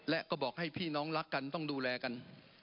และก็บอกให้พี่น้องรักกันต้องดูแลกัน